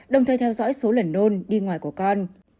đồng thời theo dõi số lẩn nôn đi ngoài của con